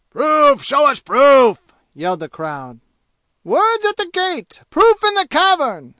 "Proof! Show us proof!" yelled the crowd. "Words at the gate proof in the cavern!"